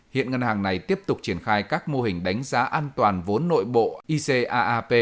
hiện ngân hàng này tiếp tục triển khai các mô hình đánh giá an toàn vốn nội bộ icaap